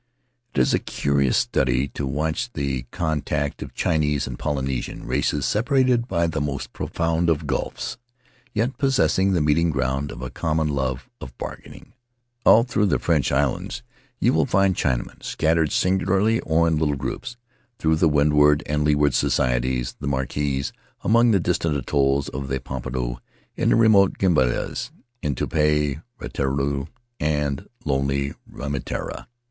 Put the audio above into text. It is a curious study to watch the contact of Chinese and Polynesian, races separated by the most profound 20 [ 293 ] Faery Lands of the South Seas of gulfs, yet possessing the meeting ground of a com mon love of bargaining. All through the French islands you will find Chinamen, scattered singly or in little groups — through the windward and leeward Societies; the Marquesas; among the distant atolls of the Paumotu; in the remote Gambiers; in Tupuai, Rurutu, and lonely Eimatara.